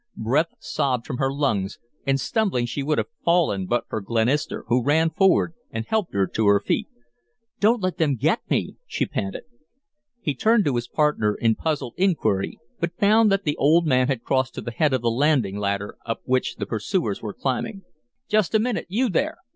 Breath sobbed from her lungs, and, stumbling, she would have fallen but for Glenister, who ran forward and helped her to her feet. "Don't let them get me," she panted. He turned to his partner in puzzled inquiry, but found that the old man had crossed to the head of the landing ladder up which the pursuers were climbing. "Just a minute you there!